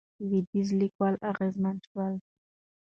لوېدیځ لیکوال اغېزمن شول.